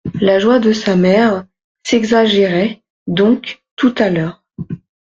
La joie de sa mère s'exagérait donc tout à l'heure.